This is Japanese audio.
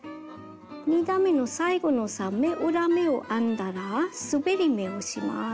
２段めの最後の３目裏目を編んだらすべり目をします。